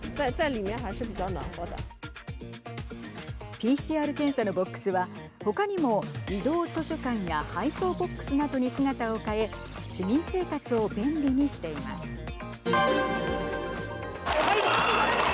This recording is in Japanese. ＰＣＲ検査のボックスは他にも移動図書館や配送ボックスなどに姿を変え市民生活を便利にしています。